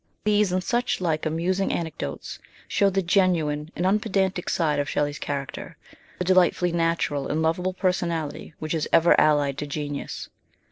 These and such like amusing anecdotes show the genuine and unpedantic side of Shelley's character, the delightfully natural and loveable personality which is ever allied to genius.